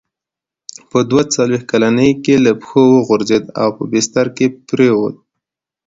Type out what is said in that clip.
په دوه څلوېښت کلنۍ کې له پښو وغورځېد او په بستره کې پرېووت.